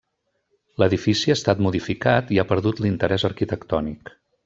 L’edifici ha estat modificat i ha perdut l’interès arquitectònic.